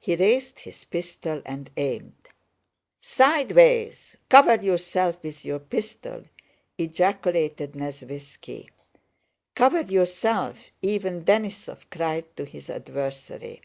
He raised his pistol and aimed. "Sideways! Cover yourself with your pistol!" ejaculated Nesvítski. "Cover yourself!" even Denísov cried to his adversary.